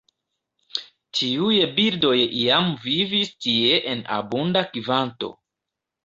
Tiuj birdoj iam vivis tie en abunda kvanto.